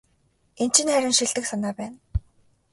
Энэ чинь харин шилдэг санаа байна.